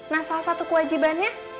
nah salah satu kewajibannya